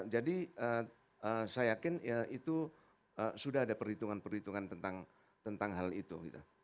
jadi saya yakin itu sudah ada perhitungan perhitungan tentang hal itu